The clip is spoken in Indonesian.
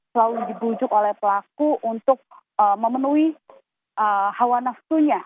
selalu dibujuk oleh pelaku untuk memenuhi hawa nafsunya